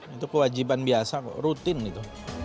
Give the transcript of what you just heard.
itu kewajiban biasa kok rutin itu